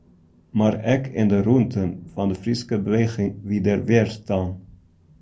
Mar ek yn de rûnten fan de Fryske beweging wie der wjerstân.